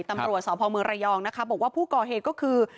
ตำรวจสพเมืองระยองนะคะบอกว่าผู้ก่อเหตุก็คือ